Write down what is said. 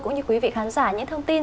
cũng như quý vị khán giả những thông tin